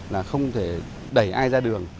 là không thể đẩy ai ra đường